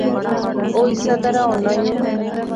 او اسے طرح ہونا یو